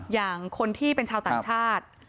อย่างคนที่เป็นชาวต่างชาติ